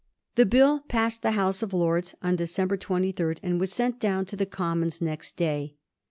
The Bill passed the House of Lords on December 23, and was sent down to the Commons next day.